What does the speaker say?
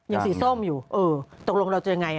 สีส้มอยู่เออตกลงเราจะยังไง